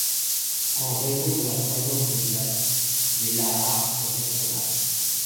En raison de la présence de glace, des lahars seraient probables.